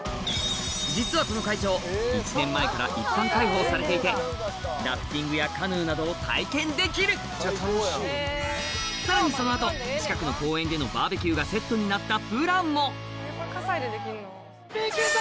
実はこの会場されていてラフティングやカヌーなどを体験できるさらにその後近くの公園でのバーベキューがセットになったプランも行くぞ！